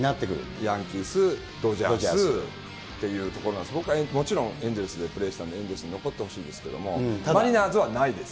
ヤンキース、ドジャースっていうところが、もちろん、エンゼルスでプレーしたんで、エンゼルスに残ってほしいですけど、マリナーズはないです。